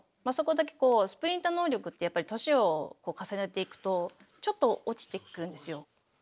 まあそこだけスプリント能力ってやっぱり年を重ねていくとちょっと落ちてくるんですよ。